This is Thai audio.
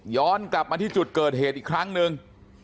กลับมาที่จุดเกิดเหตุอีกครั้งหนึ่ง